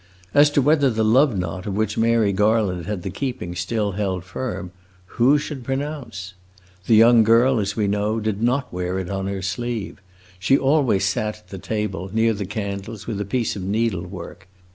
As to whether the love knot of which Mary Garland had the keeping still held firm, who should pronounce? The young girl, as we know, did not wear it on her sleeve. She always sat at the table, near the candles, with a piece of needle work.